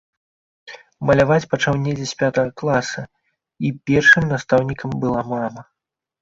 Маляваць пачаў недзе з пятага класа, і першым настаўнікам была мама.